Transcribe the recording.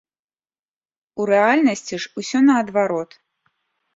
У рэальнасці ж усё наадварот.